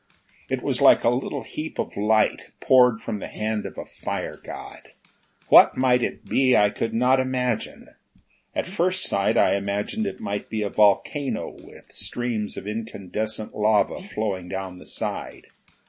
It was like a little heap of light poured from the hand of a fire god. What it might be, I could not imagine. At first sight, I imagined it might be a volcano with streams of incandescent lava flowing down the side.